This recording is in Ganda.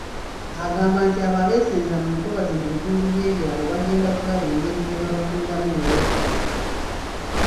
Agamba nti abo abeesenza mu ntobazi mu bitundu by'ebyalo bagenda kulaba engeri gye babafunira we badda.